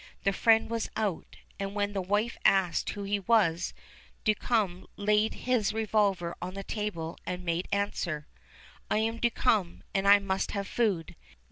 The friend was out, and when the wife asked who he was, Duncombe laid his revolver on the table and made answer, "I am Duncombe; and I must have food."